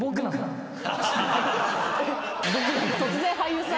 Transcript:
突然俳優さん。